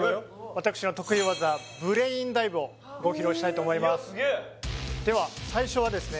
私の得意技ブレインダイブをご披露したいと思いますでは最初はですね